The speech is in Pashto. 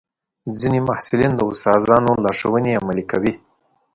ځینې محصلین د استادانو لارښوونې عملي کوي.